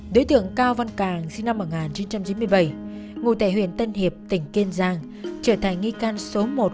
đối tượng càng này là xuất thân trong một